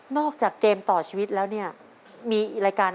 นอกจากเกมต่อชีวิตแล้วเนี่ย